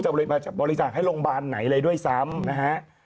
บริจาคให้โรงพยาบาลไหนเลยด้วยซ้ำนะฮะ